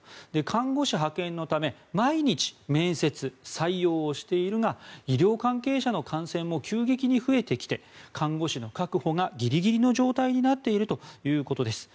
看護師派遣のため毎日、面接・採用をしているが医療関係者の感染も急激に増えてきて看護師の確保がギリギリの状態になっているということです。